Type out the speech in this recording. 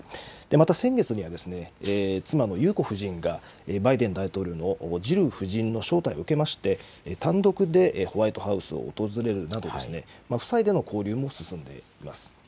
また先月には、妻の裕子夫人がバイデン大統領のジル夫人の招待を受けまして、単独でホワイトハウスを訪れるなど、夫妻での交流も進んでいます。